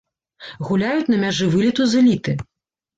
Гуляюць на мяжы вылету з эліты.